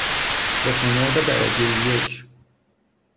تخم مرغ درجهی یک